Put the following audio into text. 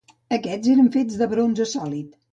Aquests eren fets de bronze sòlid.